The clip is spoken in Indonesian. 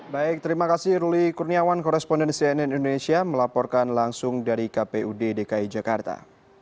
baik terima kasih ruli kurniawan koresponden cnn indonesia melaporkan langsung dari kpud dki jakarta